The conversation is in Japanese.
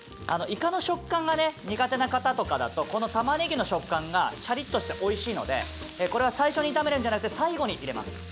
イカの食感がね苦手な方とかだとこのたまねぎの食感がしゃりっとしておいしいのでこれは最初に炒めるんじゃなくて最後に入れます。